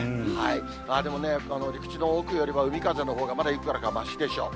まあでもね、陸地の奥よりは海風のほうがまだいくらかましでしょう。